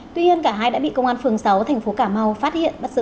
tuy nhiên cả hai đã bị công an phường sáu tp cà mau phát hiện bắt xử